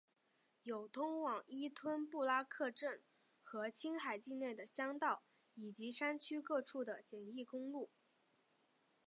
有通往依吞布拉克镇和青海境内的乡道以及山区各处的简易公路。